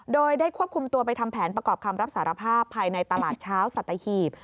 โดยได้ควบคุมตัวไปทำแผนประกอบคำรับสารภาพภายในตลาดเช้าสัตหีบ